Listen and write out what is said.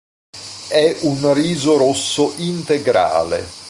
È un riso rosso integrale.